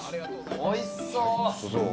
おいしそう。